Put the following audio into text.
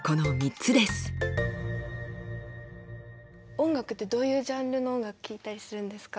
音楽ってどういうジャンルの音楽聴いたりするんですか？